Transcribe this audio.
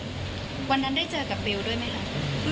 วันนั้นได้เจอกับบิวด้วยไหมคะ